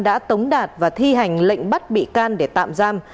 đã tống đạt và thi hành lệnh bắt bị can để tạm giam